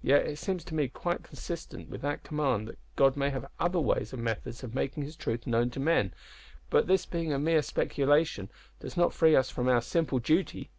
Yet it seems to me quite consistent with that command that God may have other ways and methods of making His truth known to men, but this being a mere speculation does not free us from our simple duty."